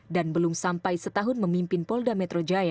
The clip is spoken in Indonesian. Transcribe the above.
dan belum sampai setahun memimpin kapolda metro jaya